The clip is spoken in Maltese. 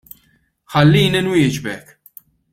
Ħallini nwieġbek!